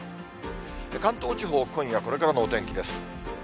関東地方、今夜これからのお天気です。